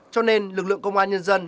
cho nên lực lượng công an nhân dân